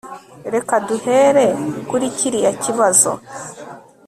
reka duhere kuri kiriya kibazo